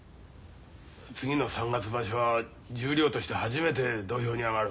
次の三月場所は十両として初めて土俵に上がる。